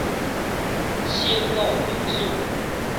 生老病死